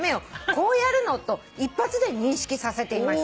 こうやるの』と一発で認識させていました」